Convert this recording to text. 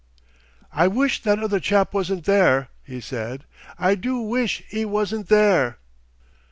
"I wish that other chap wasn't there," he said. "I do wish 'e wasn't there!"